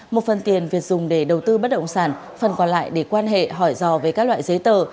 một phần tiền việt dùng để đầu tư bất động sản phần còn lại để quan hệ hỏi rò về các loại giấy tờ